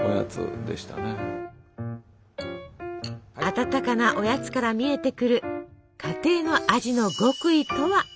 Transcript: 温かなおやつから見えてくる家庭の味の極意とは？